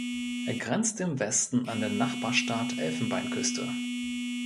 Er grenzt im Westen an den Nachbarstaat Elfenbeinküste.